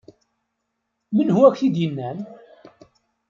Menhu ak-t-id-yennan?